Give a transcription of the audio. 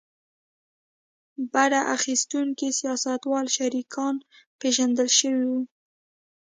بډه اخیستونکي سیاستوال شریکان پېژندل شوي وای.